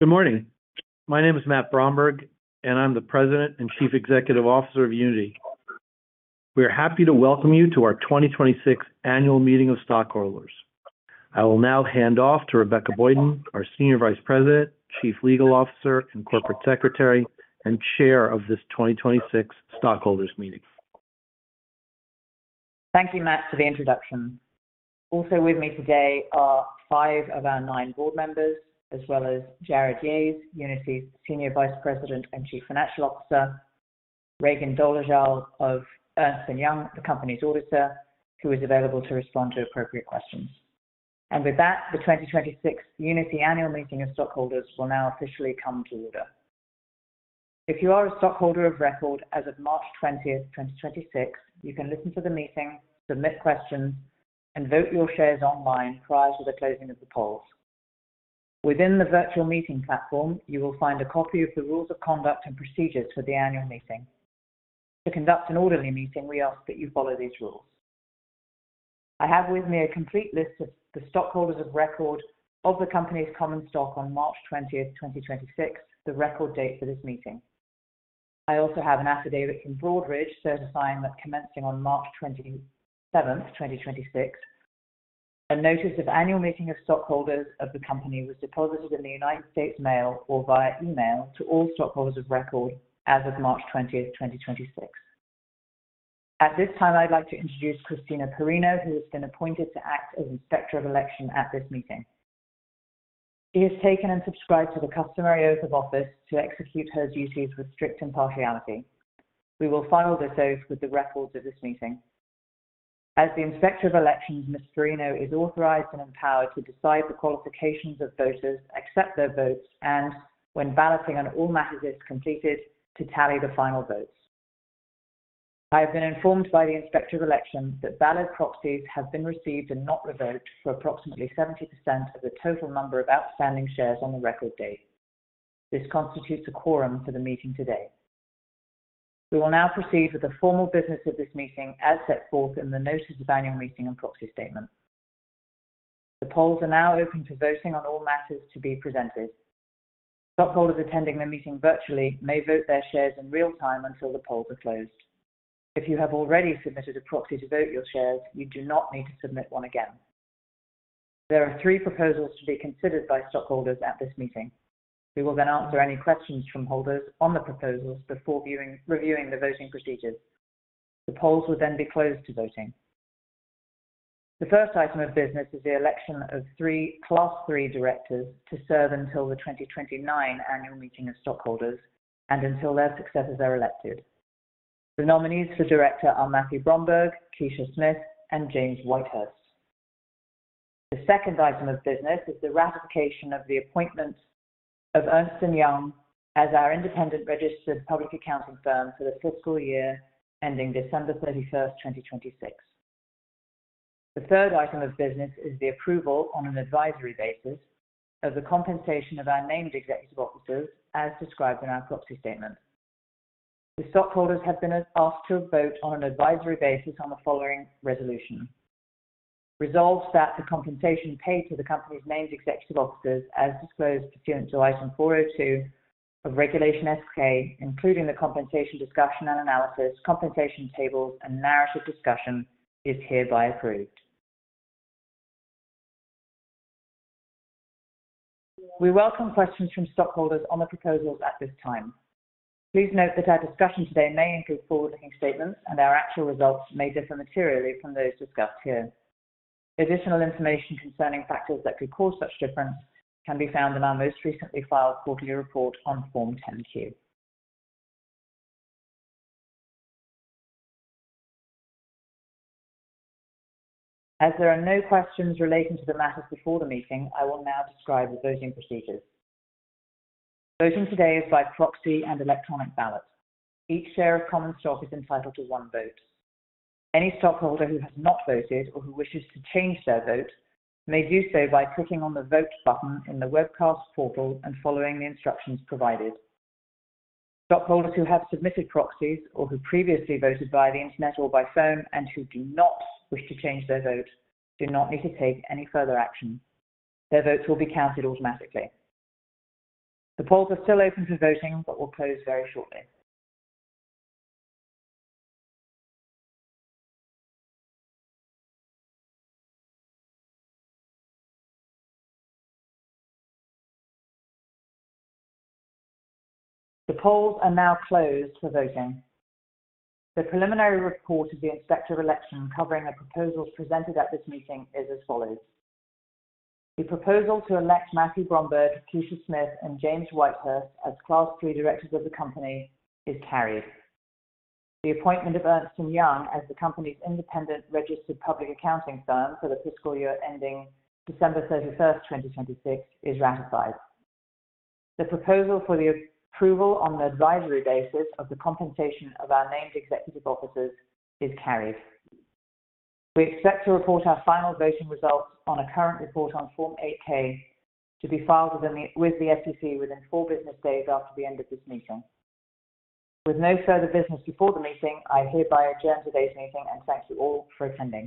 Good morning. My name is Matt Bromberg, and I'm the President and Chief Executive Officer of Unity. We are happy to welcome you to our 2026 annual meeting of stockholders. I will now hand off to Rebecca Boyden, our Senior Vice President, Chief Legal Officer, and Corporate Secretary, and Chair of this 2026 stockholders meeting. Thank you, Matt, for the introduction. Also with me today are five of our nine board members as well as Jarrod Yahes, Unity's Senior Vice President and Chief Financial Officer, Regan Dolezal of Ernst & Young, the company's auditor, who is available to respond to appropriate questions. With that, the 2026 Unity Annual Meeting of Stockholders will now officially come to order. If you are a stockholder of record as of March 20th, 2026, you can listen to the meeting, submit questions, and vote your shares online prior to the closing of the polls. Within the virtual meeting platform, you will find a copy of the rules of conduct and procedures for the annual meeting. To conduct an orderly meeting, we ask that you follow these rules. I have with me a complete list of the stockholders of record of the company's common stock on March 20th, 2026, the record date for this meeting. I also have an affidavit from Broadridge certifying that commencing on March 27th, 2026, a notice of annual meeting of stockholders of the company was deposited in the U.S. mail or via email to all stockholders of record as of March 20th, 2026. At this time, I'd like to introduce Christina Perrino, who has been appointed to act as Inspector of Election at this meeting. She has taken and subscribed to the customary oath of office to execute her duties with strict impartiality. We will file this oath with the records of this meeting. As the Inspector of Elections, Ms. Perrino is authorized and empowered to decide the qualifications of voters, accept their votes, and when balloting on all matters is completed, to tally the final votes. I have been informed by the Inspector of Election that valid proxies have been received and not revoked for approximately 70% of the total number of outstanding shares on the record date. This constitutes a quorum for the meeting today. We will now proceed with the formal business of this meeting as set forth in the notice of annual meeting and proxy statement. The polls are now open to voting on all matters to be presented. Stockholders attending the meeting virtually may vote their shares in real-time until the polls are closed. If you have already submitted a proxy to vote your shares, you do not need to submit one again. There are three proposals to be considered by stockholders at this meeting. We will then answer any questions from holders on the proposals before reviewing the voting procedures. The polls will be closed to voting. The first item of business is the election of three Class III directors to serve until the 2029 annual meeting of stockholders and until their successors are elected. The nominees for director are Matthew Bromberg, Keisha Smith, and James Whitehurst. The second item of business is the ratification of the appointment of Ernst & Young as our independent registered public accounting firm for the fiscal year ending December 31st, 2026. The third item of business is the approval on an advisory basis of the compensation of our named executive officers as described in our proxy statement. The stockholders have been asked to vote on an advisory basis on the following resolution. Resolves that the compensation paid to the company's named executive officers as disclosed pursuant to Item 402 of Regulation S-K, including the compensation discussion and analysis, compensation tables, and narrative discussion, is hereby approved. We welcome questions from stockholders on the proposals at this time. Please note that our discussion today may include forward-looking statements, and our actual results may differ materially from those discussed here. Additional information concerning factors that could cause such difference can be found in our most recently filed quarterly report on Form 10-Q. As there are no questions relating to the matters before the meeting, I will now describe the voting procedures. Voting today is by proxy and electronic ballot. Each share of common stock is entitled to one vote. Any stockholder who has not voted or who wishes to change their vote may do so by clicking on the vote button in the webcast portal and following the instructions provided. Stockholders who have submitted proxies or who previously voted via the Internet or by phone and who do not wish to change their vote do not need to take any further action. Their votes will be counted automatically. The polls are still open for voting but will close very shortly. The polls are now closed for voting. The preliminary report of the Inspector of Elections covering the proposals presented at this meeting is as follows. The proposal to elect Matthew Bromberg, Keisha Smith, and James Whitehurst as Class III directors of the company is carried. The appointment of Ernst & Young as the company's independent registered public accounting firm for the fiscal year ending December 31st, 2026, is ratified. The proposal for the approval on the advisory basis of the compensation of our named executive officers is carried. We expect to report our final voting results on a current report on Form 8-K to be filed with the SEC within four business days after the end of this meeting. With no further business before the meeting, I hereby adjourn today's meeting and thank you all for attending.